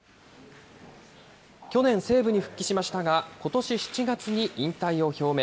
去年、西武に復帰しましたが、ことし７月に引退を表明。